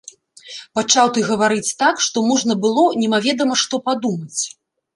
Пачаў ты гаварыць так, што можна было немаведама што падумаць.